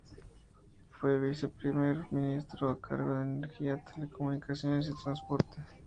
Fue viceprimer ministro a cargo de Energía, Telecomunicaciones y Transporte.